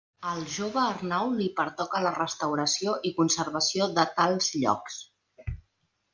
Al jove Arnau, li pertoca la restauració i conservació de tals llocs.